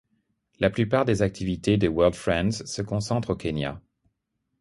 La plupart des activités de World Friends se concentrent au Kenya.